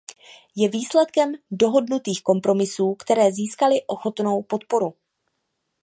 Je výsledkem dohodnutých kompromisů, které získaly ochotnou podporu.